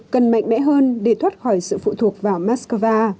cần mạnh mẽ hơn để thoát khỏi sự phụ thuộc vào moscow